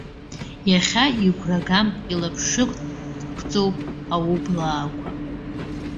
Иахьа игәрагам, илаԥшықәҵоуп аублаақәа!